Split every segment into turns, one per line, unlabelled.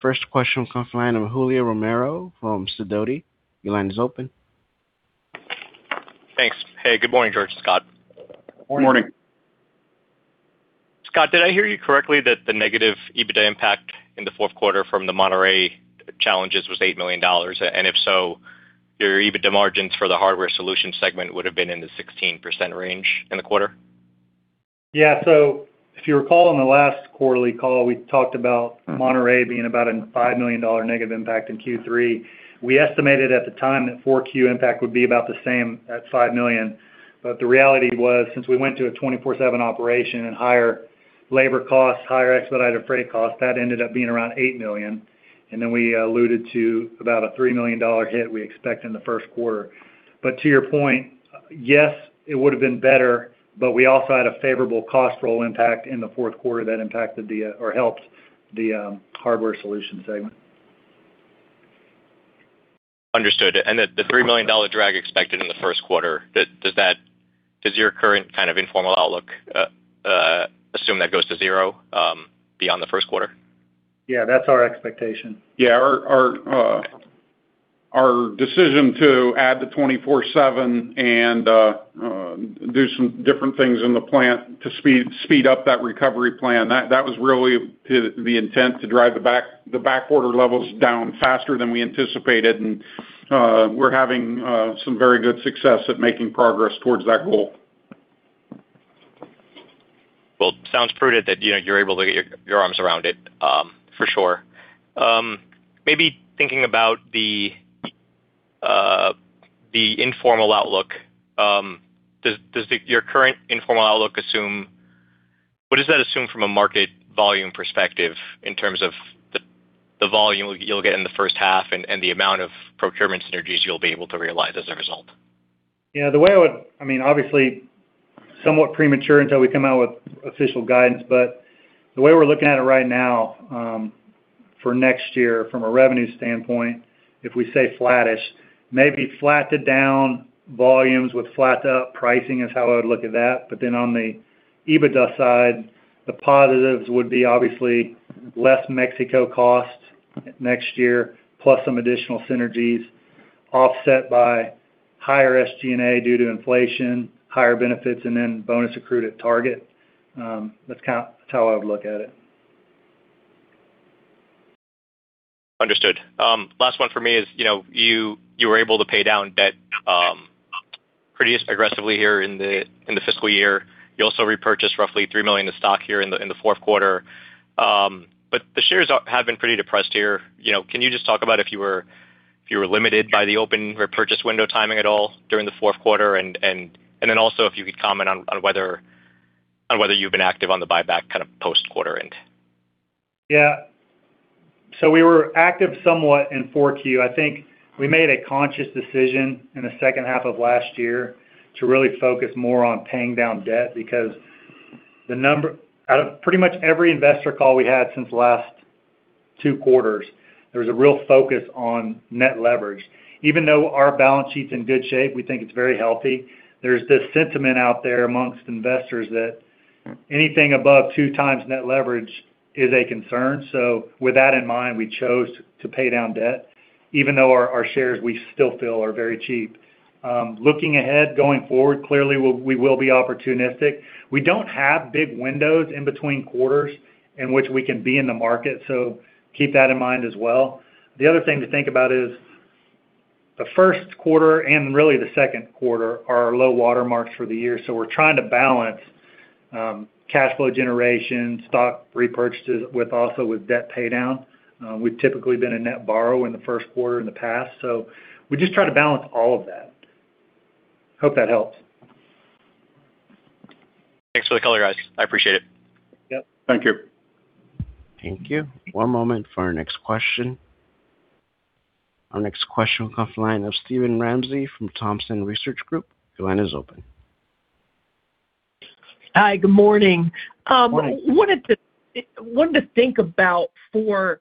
First question from client. I'm Julio Romero from Sidoti. Your line is open.
Thanks. Hey, good morning, George and Scott.
Morning.
Morning.
Scott, did I hear you correctly that the negative EBITDA impact in the fourth quarter from the Monterrey challenges was $8 million, and if so, your EBITDA margins for the Hardware Solutions segment would have been in the 16% range in the quarter?
Yeah, so if you recall, on the last quarterly call, we talked about Monterrey being about a $5 million negative impact in Q3. We estimated at the time that 4Q impact would be about the same at $5 million. But the reality was, since we went to a 24/7 operation and higher labor costs, higher expedited freight costs, that ended up being around $8 million. And then we alluded to about a $3 million hit we expect in the first quarter. But to your point, yes, it would have been better, but we also had a favorable cost roll impact in the fourth quarter that impacted or helped the Hardware Solutions segment.
Understood. And the $3 million drag expected in the first quarter, does your current kind of informal outlook assume that goes to zero beyond the first quarter?
Yeah, that's our expectation.
Yeah. Our decision to add the 24/7 and do some different things in the plant to speed up that recovery plan, that was really the intent to drive the backorder levels down faster than we anticipated, and we're having some very good success at making progress towards that goal.
Sounds prudent that you're able to get your arms around it, for sure. Maybe thinking about the informal outlook, does your current informal outlook assume what does that assume from a market volume perspective in terms of the volume you'll get in the first half and the amount of procurement synergies you'll be able to realize as a result?
Yeah. The way I would, I mean, obviously, somewhat premature until we come out with official guidance. But the way we're looking at it right now for next-year, from a revenue standpoint, if we say flattish, maybe flat to down volumes with flat to up pricing is how I would look at that. But then on the EBITDA side, the positives would be obviously less Mexico costs next-year, plus some additional synergies offset by higher SG&A due to inflation, higher benefits, and then bonus accrued at target. That's how I would look at it.
Understood. Last one for me is you were able to pay down debt pretty aggressively here in the fiscal year. You also repurchased roughly $2 million in stock here in the fourth quarter. But the shares have been pretty depressed here. Can you just talk about if you were limited by the open repurchase window timing at all during the fourth quarter? And then also if you could comment on whether you've been active on the buyback kind of post-quarter end.
Yeah. So we were active somewhat in 4Q. I think we made a conscious decision in the second half of last year to really focus more on paying down debt because pretty much every investor call we had since last two quarters, there was a real focus on net leverage. Even though our balance sheet's in good shape, we think it's very healthy, there's this sentiment out there amongst investors that anything above two times net leverage is a concern. So with that in mind, we chose to pay down debt, even though our shares, we still feel, are very cheap. Looking ahead, going forward, clearly we will be opportunistic. We don't have big windows in between quarters in which we can be in the market. So keep that in mind as well. The other thing to think about is the first quarter and really the second quarter are our low-water marks for the year. So we're trying to balance cash flow generation, stock repurchases, with also debt paydown. We've typically been a net borrower in the first quarter in the past. So we just try to balance all of that. Hope that helps.
Thanks for the call, guys. I appreciate it.
Yep.
Thank you.
Thank you. One moment for our next question. Our next question will come from Steven Ramsey from Thompson Research Group. Your line is open.
Hi, good morning.
Morning.
I wanted to think about for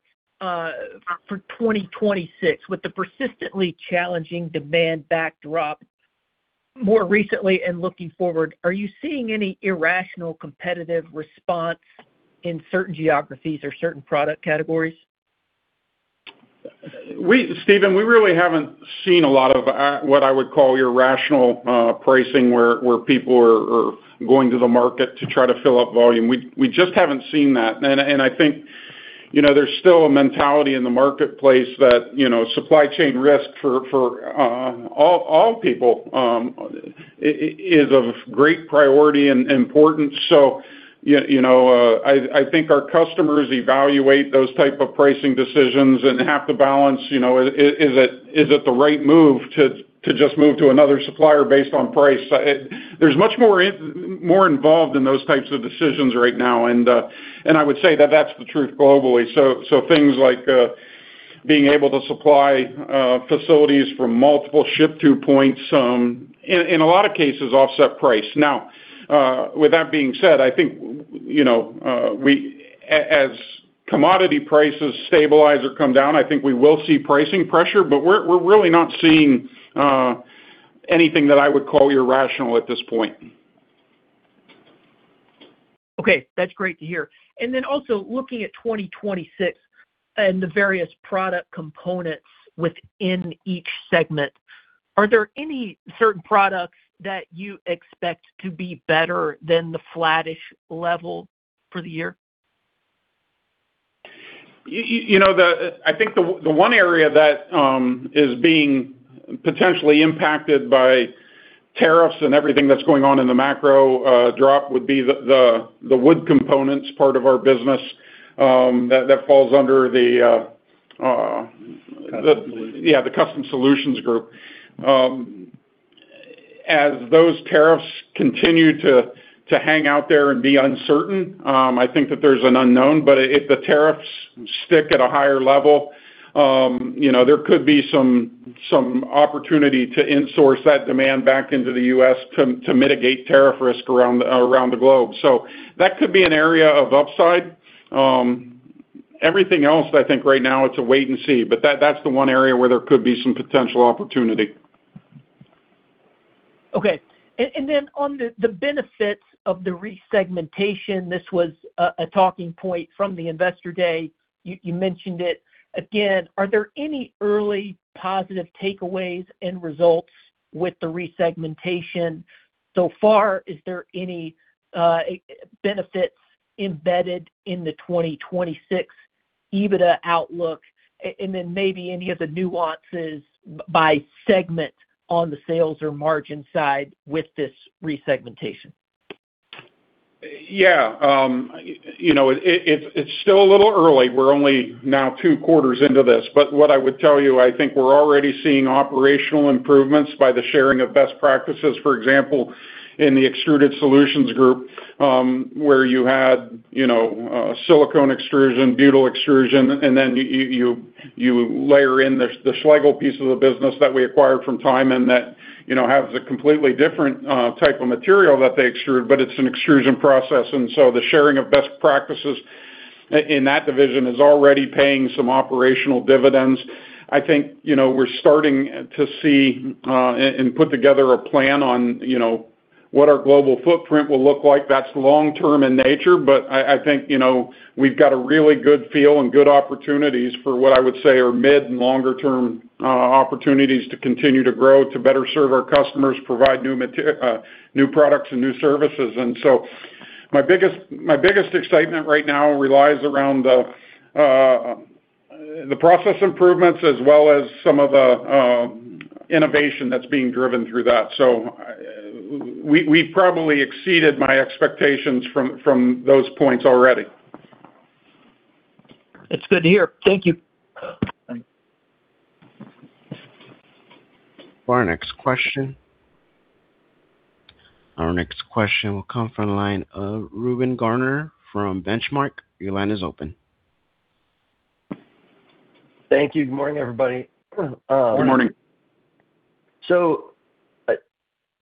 2026, with the persistently challenging demand backdrop more recently and looking forward, are you seeing any irrational competitive response in certain geographies or certain product categories?
Steven, we really haven't seen a lot of what I would call irrational pricing where people are going to the market to try to fill up volume. We just haven't seen that. And I think there's still a mentality in the marketplace that supply chain risk for all people is of great priority and importance. So I think our customers evaluate those type of pricing decisions and have to balance, is it the right move to just move to another supplier based on price? There's much more involved in those types of decisions right now. And I would say that that's the truth globally. So things like being able to supply facilities from multiple ship-to points, in a lot of cases, offset price. Now, with that being said, I think as commodity prices stabilize or come down, I think we will see pricing pressure, but we're really not seeing anything that I would call irrational at this point.
Okay. That's great to hear. And then also looking at 2026 and the various product components within each segment, are there any certain products that you expect to be better than the flattish level for the year?
I think the one area that is being potentially impacted by tariffs and everything that's going on in the macro drop would be the wood components part of our business that falls under the.
Custom Solutions.
Yeah, the Custom Solutions group. As those tariffs continue to hang out there and be uncertain, I think that there's an unknown. But if the tariffs stick at a higher level, there could be some opportunity to insource that demand back into the U.S. to mitigate tariff risk around the globe. So that could be an area of upside. Everything else, I think right now, it's a wait and see. But that's the one area where there could be some potential opportunity.
Okay. And then on the benefits of the resegmentation, this was a talking point from the investor day. You mentioned it. Again, are there any early positive takeaways and results with the resegmentation so far? Is there any benefits embedded in the 2026 EBITDA outlook? And then maybe any of the nuances by segment on the sales or margin side with this resegmentation?
Yeah. It's still a little early. We're only now two quarters into this. But what I would tell you, I think we're already seeing operational improvements by the sharing of best practices, for example, in the Extruded Solutions group where you had silicone extrusion, butyl extrusion, and then you layer in the Schlegel piece of the business that we acquired from Tyman that has a completely different type of material that they extrude, but it's an extrusion process. And so the sharing of best practices in that division is already paying some operational dividends. I think we're starting to see and put together a plan on what our global footprint will look like. That's long-term in nature. But I think we've got a really good feel and good opportunities for what I would say are mid- and longer-term opportunities to continue to grow to better serve our customers, provide new products and new services. And so my biggest excitement right now relies around the process improvements as well as some of the innovation that's being driven through that. So we've probably exceeded my expectations from those points already.
That's good to hear. Thank you.
Our next question. Our next question will come from line of Reuben Garner from Benchmark. Your line is open.
Thank you. Good morning, everybody.
Good morning.
So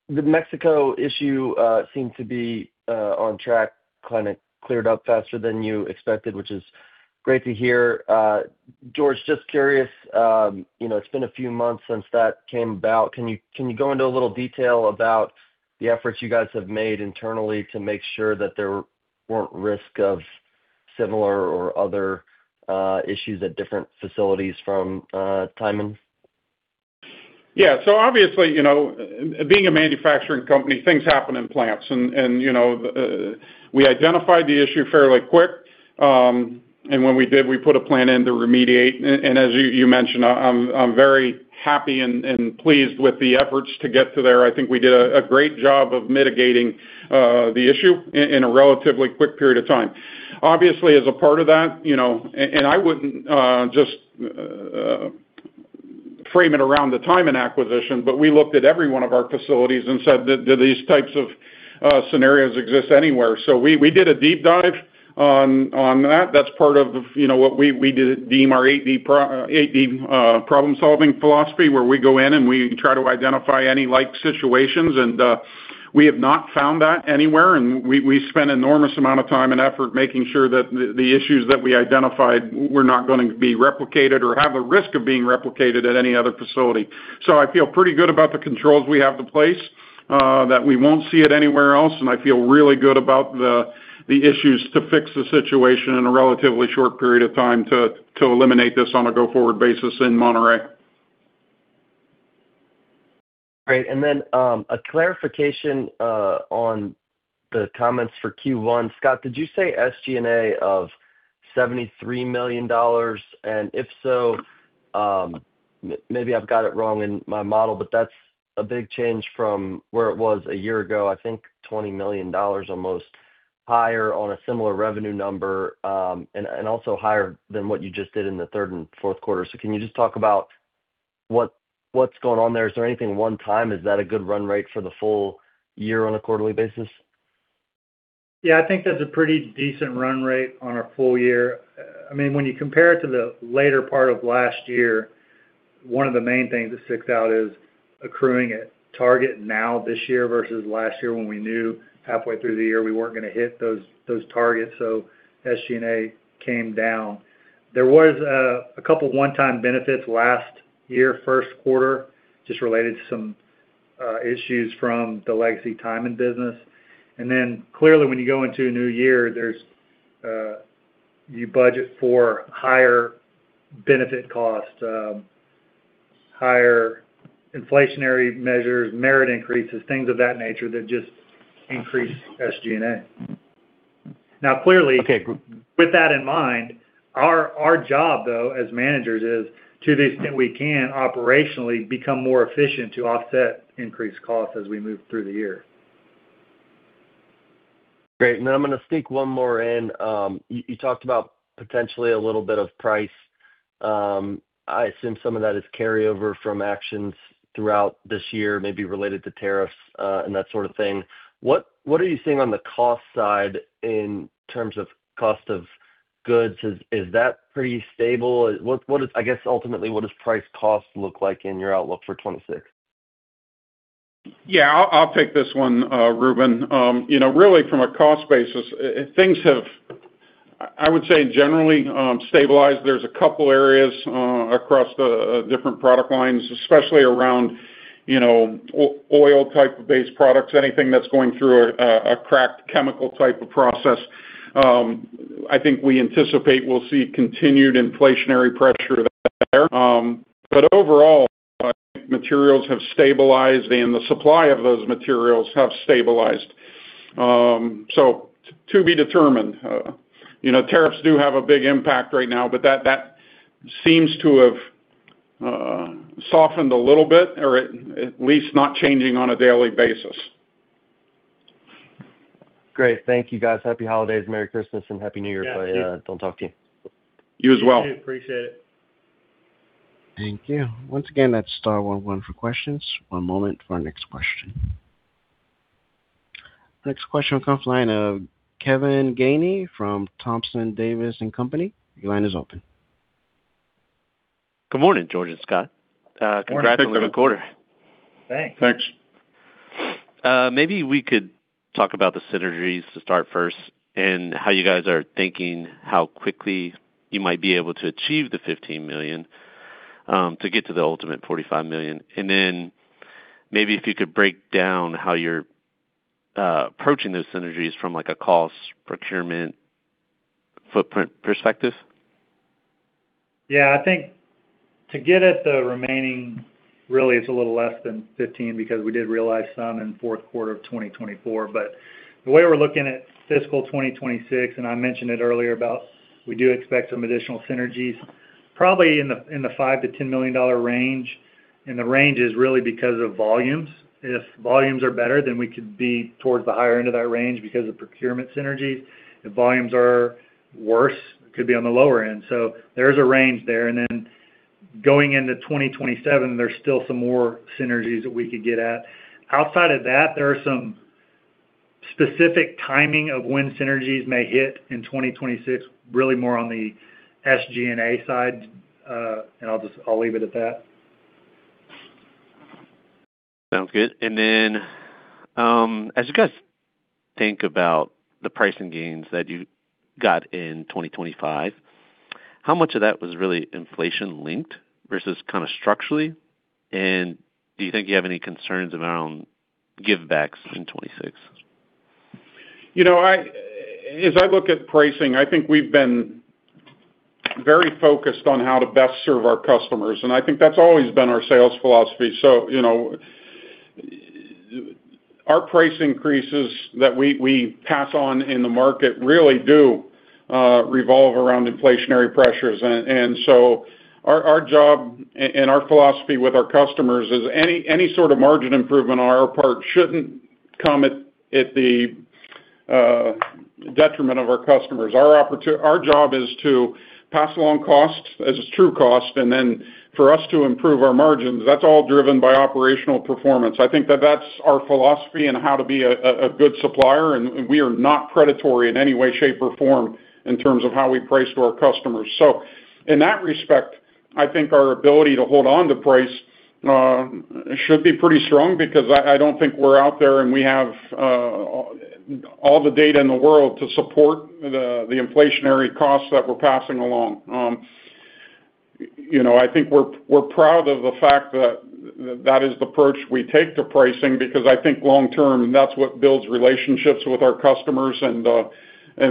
the Mexico issue seems to be on track, cleared up faster than you expected, which is great to hear. George, just curious, it's been a few months since that came about. Can you go into a little detail about the efforts you guys have made internally to make sure that there weren't risk of similar or other issues at different facilities from Tyman?
Yeah. So obviously, being a manufacturing company, things happen in plants. And we identified the issue fairly quick. And when we did, we put a plan in to remediate. And as you mentioned, I'm very happy and pleased with the efforts to get to there. I think we did a great job of mitigating the issue in a relatively quick period of time. Obviously, as a part of that, and I wouldn't just frame it around the Tyman acquisition, but we looked at every one of our facilities and said, "Do these types of scenarios exist anywhere?" So we did a deep dive on that. That's part of what we deem our 8D problem-solving philosophy, where we go in and we try to identify any like situations. And we have not found that anywhere. And we spent an enormous amount of time and effort making sure that the issues that we identified were not going to be replicated or have the risk of being replicated at any other facility. So I feel pretty good about the controls we have to place that we won't see it anywhere else. And I feel really good about the issues to fix the situation in a relatively short period of time to eliminate this on a go-forward basis in Monterrey.
Great. And then a clarification on the comments for Q1. Scott, did you say SG&A of $73 million? And if so, maybe I've got it wrong in my model, but that's a big change from where it was a year ago, I think $20 million almost higher on a similar revenue number and also higher than what you just did in the third and fourth quarter. So can you just talk about what's going on there? Is there anything one-time? Is that a good run rate for the full year on a quarterly basis?
Yeah, I think that's a pretty decent run rate on a full year. I mean, when you compare it to the later part of last year, one of the main things that sticks out is accruing at target now this year versus last year when we knew halfway through the year we weren't going to hit those targets. So SG&A came down. There was a couple of one-time benefits last year, first quarter, just related to some issues from the legacy Tyman business. And then clearly, when you go into a new year, you budget for higher benefit costs, higher inflationary measures, merit increases, things of that nature that just increase SG&A. Now, clearly, with that in mind, our job, though, as managers, is to the extent we can operationally become more efficient to offset increased costs as we move through the year.
Great. And then I'm going to sneak one more in. You talked about potentially a little bit of price. I assume some of that is carryover from actions throughout this year, maybe related to tariffs and that sort of thing. What are you seeing on the cost side in terms of cost of goods? Is that pretty stable? I guess ultimately, what does price cost look like in your outlook for 2026?
Yeah, I'll take this one, Reuben. Really, from a cost basis, things have, I would say, generally stabilized. There's a couple of areas across the different product lines, especially around oil-type-based products, anything that's going through a cracked chemical type of process. I think we anticipate we'll see continued inflationary pressure there, but overall, I think materials have stabilized and the supply of those materials have stabilized, so to be determined. Tariffs do have a big impact right now, but that seems to have softened a little bit, or at least not changing on a daily basis.
Great. Thank you, guys. Happy holidays, Merry Christmas, and Happy New Year.
Thank you.
Don't talk to you.
You as well.
Appreciate it.
Thank you. Once again, that's star one one for questions. One moment for our next question. Next question will come from line of Kevin Gainey from Thompson Davis & Co. Your line is open.
Good morning, George and Scott. Congrats on the quarter.
Thanks.
Thanks.
Maybe we could talk about the synergies to start first and how you guys are thinking how quickly you might be able to achieve the $15 million to get to the ultimate $45 million and then maybe if you could break down how you're approaching those synergies from a cost procurement footprint perspective.
Yeah. I think to get at the remaining, really, it's a little less than 15 because we did realize some in fourth quarter of 2024, but the way we're looking at fiscal 2026, and I mentioned it earlier about we do expect some additional synergies probably in the $5 million-$10 million range, and the range is really because of volumes. If volumes are better, then we could be towards the higher end of that range because of procurement synergies. If volumes are worse, it could be on the lower end, so there's a range there, and then going into 2027, there's still some more synergies that we could get at. Outside of that, there are some specific timing of when synergies may hit in 2026, really more on the SG&A side, and I'll leave it at that.
Sounds good. And then as you guys think about the pricing gains that you got in 2025, how much of that was really inflation-linked versus kind of structurally? And do you think you have any concerns around give-backs in 2026?
As I look at pricing, I think we've been very focused on how to best serve our customers. I think that's always been our sales philosophy. Our price increases that we pass on in the market really do revolve around inflationary pressures. Our job and our philosophy with our customers is any sort of margin improvement on our part shouldn't come at the detriment of our customers. Our job is to pass along costs as true costs. For us to improve our margins, that's all driven by operational performance. That's our philosophy and how to be a good supplier. We are not predatory in any way, shape, or form in terms of how we price to our customers. So in that respect, I think our ability to hold on to price should be pretty strong because I don't think we're out there and we have all the data in the world to support the inflationary costs that we're passing along. I think we're proud of the fact that that is the approach we take to pricing because I think long-term, that's what builds relationships with our customers and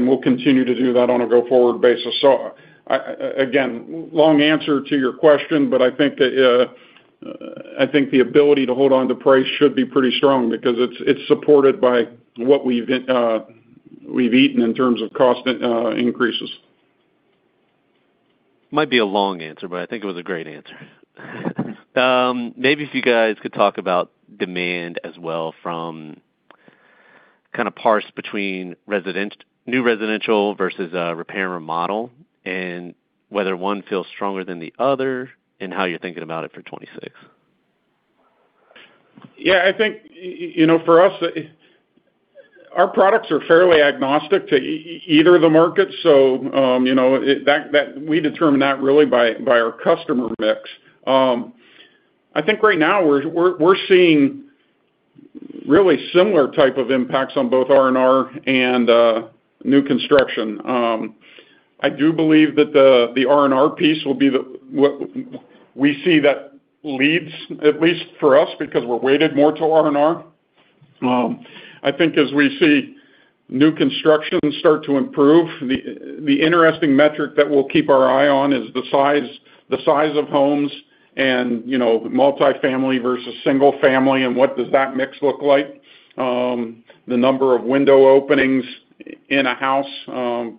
will continue to do that on a go-forward basis. So again, long answer to your question, but I think the ability to hold on to price should be pretty strong because it's supported by what we've eaten in terms of cost increases.
Might be a long answer, but I think it was a great answer. Maybe if you guys could talk about demand as well from kind of parsed between new residential versus repair and remodel and whether one feels stronger than the other and how you're thinking about it for 2026.
Yeah. I think for us, our products are fairly agnostic to either of the markets. So we determine that really by our customer mix. I think right now we're seeing really similar type of impacts on both R&R and new construction. I do believe that the R&R piece will be the we see that leads, at least for us, because we're weighted more to R&R. I think as we see new construction start to improve, the interesting metric that we'll keep our eye on is the size of homes and multifamily versus single family and what does that mix look like. The number of window openings in a house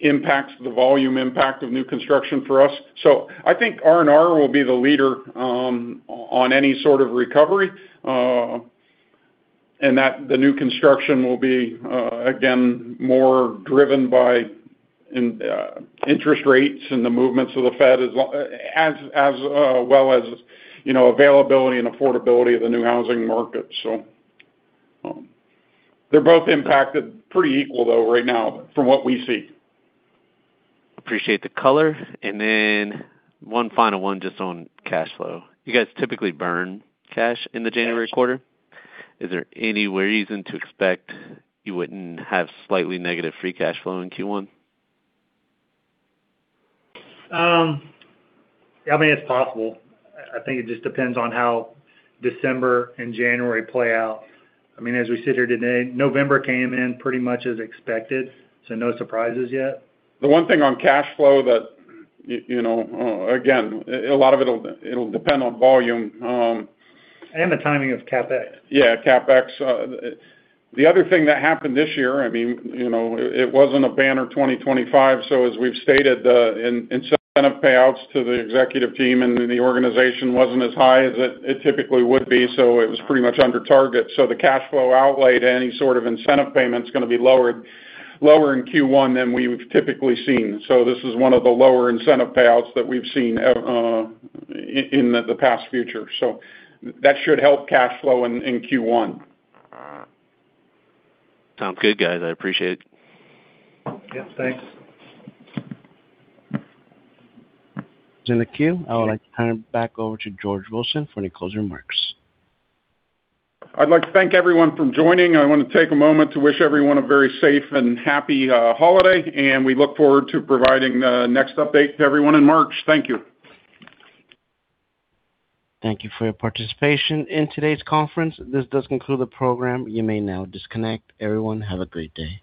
impacts the volume impact of new construction for us. So I think R&R will be the leader on any sort of recovery and that the new construction will be, again, more driven by interest rates and the movements of the Fed as well as availability and affordability of the new housing market. So they're both impacted pretty equal, though, right now from what we see.
Appreciate the color. And then one final one just on cash flow. You guys typically burn cash in the January quarter. Is there any reason to expect you wouldn't have slightly negative free cash flow in Q1?
Yeah. I mean, it's possible. I think it just depends on how December and January play out. I mean, as we sit here today, November came in pretty much as expected. So no surprises yet.
The one thing on cash flow that, again, a lot of it will depend on volume.
The timing of CapEx.
Yeah, CapEx. The other thing that happened this year, I mean, it wasn't a banner 2025. So as we've stated, incentive payouts to the executive team and the organization wasn't as high as it typically would be. So it was pretty much under target. So the cash flow outlay to any sort of incentive payment is going to be lower in Q1 than we've typically seen. So this is one of the lower incentive payouts that we've seen in the past future. So that should help cash flow in Q1.
Sounds good, guys. I appreciate it.
Yep. Thanks.
In the queue, I would like to turn it back over to George Wilson for any closing remarks.
I'd like to thank everyone for joining. I want to take a moment to wish everyone a very safe and happy holiday, and we look forward to providing the next update to everyone in March. Thank you.
Thank you for your participation in today's conference. This does conclude the program. You may now disconnect. Everyone, have a great day.